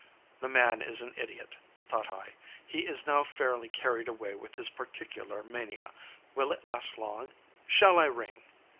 The man is an idiot, thought I; he is now fairly carried away with his particular mania. Will it last long? Shall I ring?